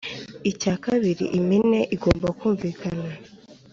icya kabiri: impine igomba kumvikana